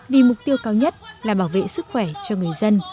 vì mục tiêu cao nhất là bảo vệ sức khỏe cho người dân